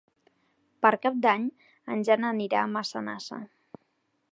Per Cap d'Any en Jan anirà a Massanassa.